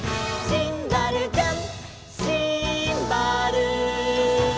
「シンバルジャン！」